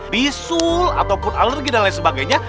bisul ataupun alergi dan lain sebagainya